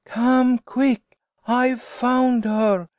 " Come quick, I've found her